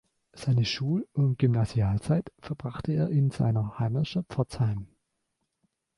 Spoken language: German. Seine Schul- und Gymnasialzeit verbrachte er in seiner Heimatstadt Pforzheim.